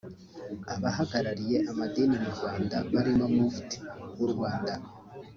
Abahagarariye amadini mu Rwanda barimo Mufti w’u Rwanda